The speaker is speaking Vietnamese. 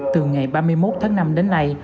từ ngày ba mươi một tháng năm đến nay